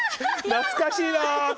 懐かしいな。